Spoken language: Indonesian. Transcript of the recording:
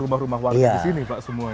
rumah rumah warga di sini pak semuanya